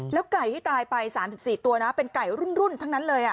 ไก่ที่ตายไป๓๔ตัวนะเป็นไก่รุ่นทั้งนั้นเลย